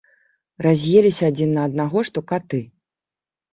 Раз'еліся адзін на аднаго, што каты.